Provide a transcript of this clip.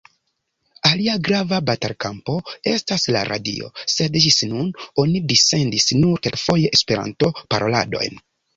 Alia grava batalkampo estas la radio, sed ĝis nun oni dissendis nur kelkfoje Esperanto-paroladojn.